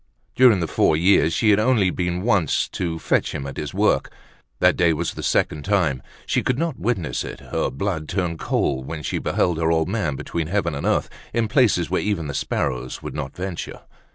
During the four years, she had only been once to fetch him at his work. That day was the second time. She could not witness it, her blood turned cold when she beheld her old man between heaven and earth, in places where even the sparrows would not venture.